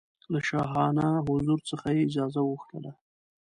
له شاهانه حضور څخه یې اجازه وغوښتله.